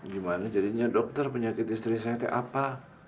gimana jadinya dokter penyakit istri istri apa